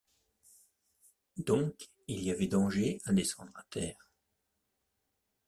Donc, il y avait danger à descendre à terre.